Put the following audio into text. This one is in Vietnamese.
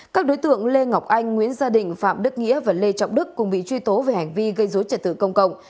các đối tượng lê ngọc anh nguyễn gia định phạm đức nghĩa và lê trọng đức cùng bị truy tố về hành vi gây dối trật tự công cộng